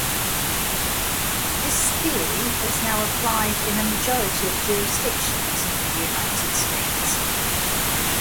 This theory is now applied in a majority of jurisdictions in the United States.